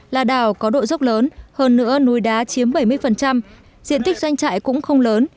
là đảo có độ dốc lớn hơn nữa núi đá chiếm bảy mươi diện tích doanh trại cũng không lớn